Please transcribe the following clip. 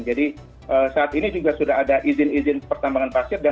jadi saat ini juga sudah ada izin izin pertambangan pasir